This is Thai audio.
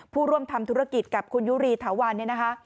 ผู้ร่วมทำธุรกิจกับคุณยุรีถาวันเนี่ยนะคะ